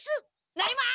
なります！